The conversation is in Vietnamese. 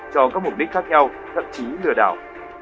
cho các mục đích khác nhau thậm chí lừa đảo